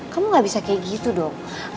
kamu gak bisa kayak gitu dok